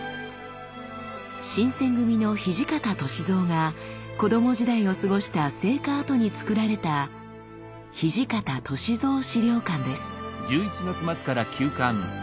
新選組の土方歳三が子ども時代を過ごした生家跡につくられた土方歳三資料館です。